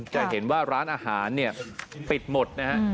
จะเห็นว่าร้านอาหารปิดหมดนะครับ